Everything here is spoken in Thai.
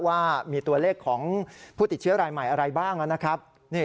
ว่ามีตัวเลขของผู้ติดเชื้อรายใหม่อะไรบ้างนะครับ